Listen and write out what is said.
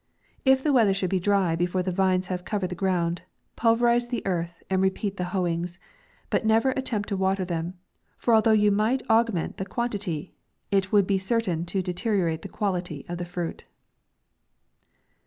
If the weather should be dry before the vines have covered the ground, pulverize the earth, and repeat trie hoeings ; but never at tempt to water them, for although you might augment the quantity, it would be certain to deteriorate the quality of the fruit.